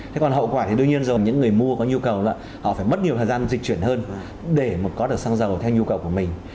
thế còn hậu quả thì đương nhiên rồi những người mua có nhu cầu là họ phải mất nhiều thời gian dịch chuyển hơn để mà có được xăng dầu theo nhu cầu của mình